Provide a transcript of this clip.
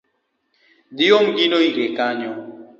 Dhi iom gino ire kanyo